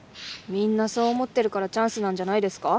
みんなそう思ってるからチャンスなんじゃないですか。